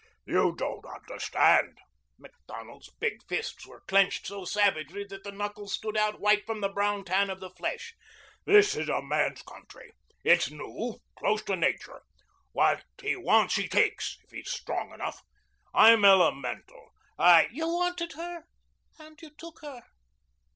"You don't understand." Macdonald's big fists were clenched so savagely that the knuckles stood out white from the brown tan of the flesh. "This is a man's country. It's new close to nature. What he wants he takes if he's strong enough. I'm elemental. I " "You wanted her and you took her.